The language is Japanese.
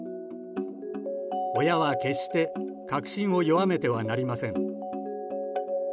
親は決して確信を弱めてはなりません。